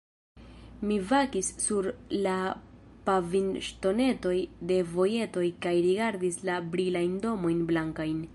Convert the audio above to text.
Mi vagis sur la pavimŝtonetoj de vojetoj kaj rigardis la brilajn domojn blankajn.